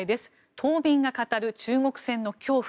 島民が語る中国船の恐怖。